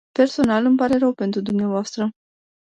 Personal, îmi pare rău pentru dumneavoastră.